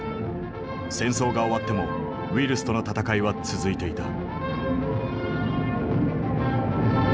戦争が終わってもウイルスとの闘いは続いていた。